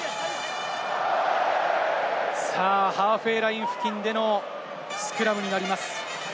ハーフウェイライン付近でのスクラムになります。